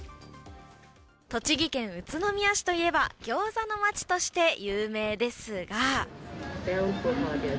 栃木県宇都宮市といえばギョーザの街として有名ですが。